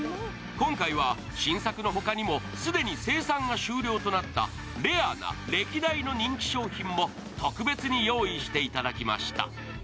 今回は新作の他にも既に生産が終了となったレアな歴代の人気商品も特別に用意していただきました。